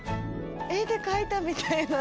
絵で描いたみたいな。